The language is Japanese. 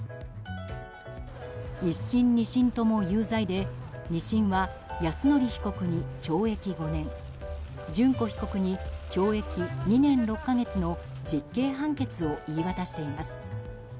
１審２審とも有罪で２審は、泰典被告に懲役５年諄子被告に懲役２年６か月の実刑判決を言い渡しています。